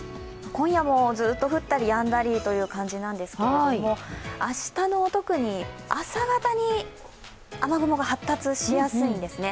今夜もずっと降ったりやんだりという感じなんですけれども、明日の特に朝方に雨雲が発達しやすいんですね。